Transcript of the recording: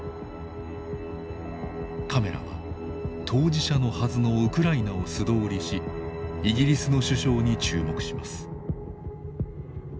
カメラは当事者のはずのウクライナを素通りしイギリスの首相に注目します。